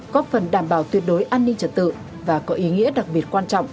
có phần đảm bảo tuyệt đối an ninh trật tự và có ý nghĩa đặc biệt quan trọng